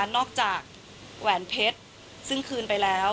นอกจากแหวนเพชรซึ่งคืนไปแล้ว